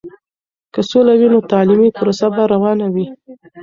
که سوله وي، نو تعلیمي پروسه به روانه وي.